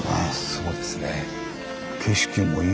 そうですね。